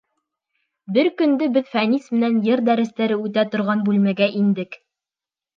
Бер көндө беҙ Фәнис менән йыр дәрестәре үтә торған бүлмәгә индек.